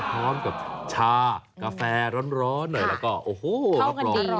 พร้อมกับชากาแฟร้อนหน่อยแล้วก็โอ้โหรับรอง